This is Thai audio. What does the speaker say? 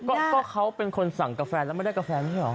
ก็เขาเป็นคนสั่งกาแฟแล้วไม่ได้กาแฟด้วยเหรอ